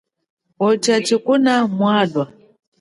Ocha tshikuna mwalwa.